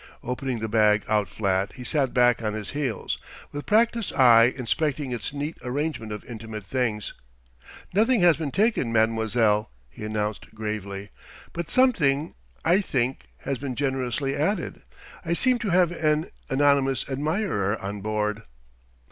Opening the bag out flat, he sat back on his heels, with practised eye inspecting its neat arrangement of intimate things. "Nothing has been taken, mademoiselle," he announced gravely. "But something I think has been generously added. I seem to have an anonymous admirer on board."